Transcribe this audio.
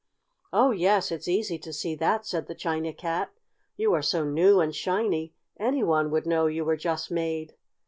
"Oh, yes, it's easy to see that," said the China Cat. "You are so new and shiny any one would know you were just made.